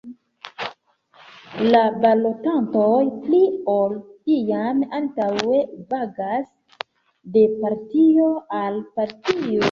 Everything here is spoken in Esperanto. La balotantoj pli ol iam antaŭe vagas de partio al partio.